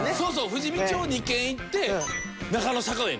富士見町２軒行って中野坂上。